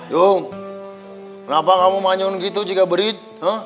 dung kenapa kamu tanya gitu juga berit